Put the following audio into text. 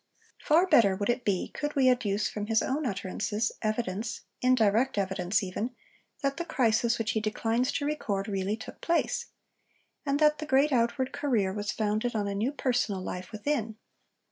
Far better would it be could we adduce from his own utterances evidence indirect evidence even that the crisis which he declines to record really took place; and that the great outward career was founded on a new personal life within.